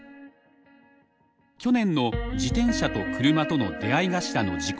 去年の自転車と車との出会い頭の事故。